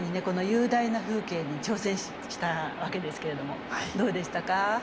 この雄大な風景に挑戦したわけですけれどもどうでしたか。